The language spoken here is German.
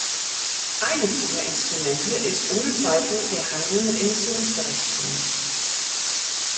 Eines dieser Instrumente ist ohne Zweifel der Handel mit Emissionsberechtigungen.